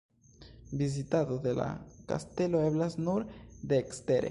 Vizitado de la kastelo eblas nur de ekstere.